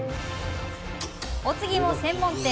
お次も専門店。